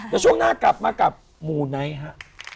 แล้วช่วงหน้ากลับมากับมูไนท์ฮะ